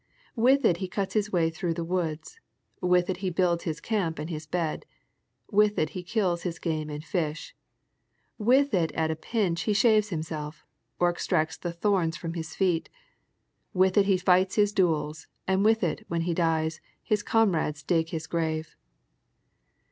With it he cuts his way through the woods ; with it he builds his camp and his bed ; with it he kills his game and fish ; with it at a pinch he shaves himself, or extracts the thoi ns from his feet ; with it he fights his duels, and with it, when he dies, his comrades dig his grave.